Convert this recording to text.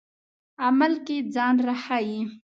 عمل کې ځان راښيي.